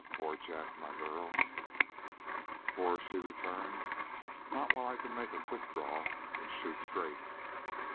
Poor Jack my girl!" "Poor?" she returned. "Not while I can make a quick draw and shoot straight."